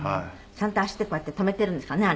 ちゃんと足でこうやって止めているんですかね？